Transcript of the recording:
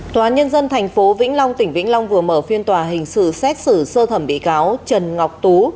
tòa nhân dân tp vĩnh long tỉnh vĩnh long vừa mở phiên tòa hình sự xét xử sơ thẩm bị cáo trần ngọc tú